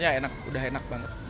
karena aku gampang lapar